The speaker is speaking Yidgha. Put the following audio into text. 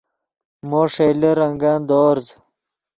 مو ݰئیلے رنگن دورز